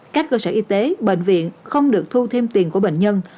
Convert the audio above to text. các cơ sở y tế bệnh viện không được thu thêm tiền của bệnh nhân